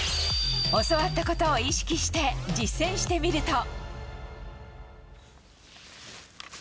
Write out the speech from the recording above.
教わったことを意識して、実践してみると。